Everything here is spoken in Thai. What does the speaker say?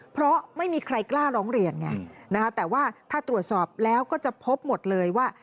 เพราะไม่มีใครกล้าร้องเรียนไงนะคะแต่ว่าถ้าตรวจสอบแล้วก็จะพบหมดเลยว่า